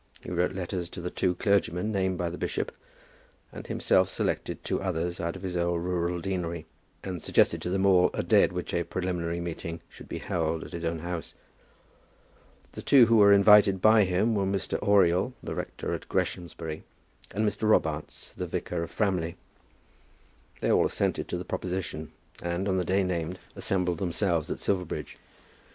He wrote letters to the two clergymen named by the bishop, and himself selected two others out of his own rural deanery, and suggested to them all a day at which a preliminary meeting should be held at his own house. The two who were invited by him were Mr. Oriel, the rector of Greshamsbury, and Mr. Robarts, the vicar of Framley. They all assented to the proposition, and on the day named assembled themselves at Silverbridge.